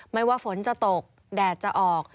ไม่ว่าฝนจะตกแดดจะออก